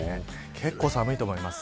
結構寒いと思います。